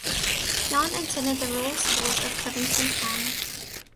Yawn attended the rural schools of Covington County.